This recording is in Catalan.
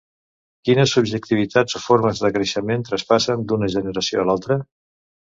Quines subjectivitats o formes de coneixement traspassen d’una generació a l’altra?